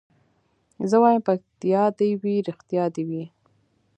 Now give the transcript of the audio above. زه وايم پکتيا دي وي رښتيا دي وي